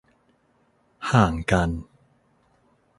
ห่างกัน